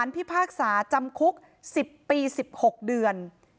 ฮพศจำคุก๑๐ปี๑๖เดือน